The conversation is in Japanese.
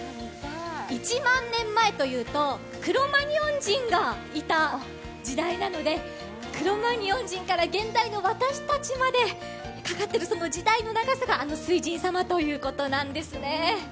１万年前というとクロマニヨン人がいた時代なのでクロマニヨン人から現在の私たちまで、かかっている時間の長さがあの水神様ということなんですね。